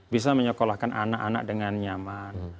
bisa menyekolahkan anak anak dengan nyaman